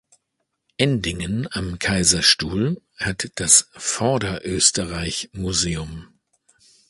Endingen am Kaiserstuhl hat das "Vorderösterreich-Museum".